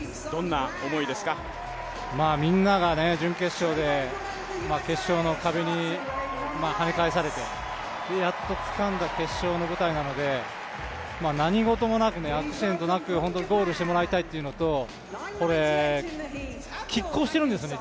みんなが準決勝で決勝の壁にはね返されてやっとつかんだ決勝の舞台なので、何事もなくアクシデントなくゴールしてもらいたいというのときっ抗しているんですよね、